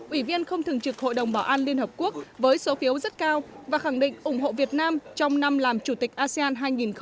ủy viên không thường trực hội đồng bảo an liên hợp quốc với số phiếu rất cao và khẳng định ủng hộ việt nam trong năm làm chủ tịch asean hai nghìn hai mươi